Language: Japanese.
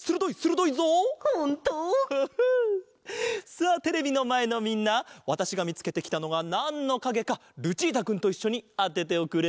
さあテレビのまえのみんなわたしがみつけてきたのがなんのかげかルチータくんといっしょにあてておくれ！